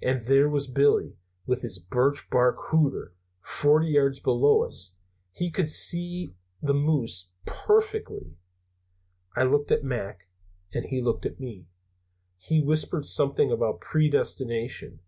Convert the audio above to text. And there was Billy, with his birch bark hooter, forty yards below us he could see the moose perfectly. "I looked at Mac, and he looked at me. He whispered something about predestination.